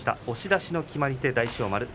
押し出しの決まり手、大翔丸。